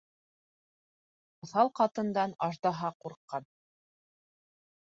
Уҫал ҡатындан аждаһа ҡурҡҡан.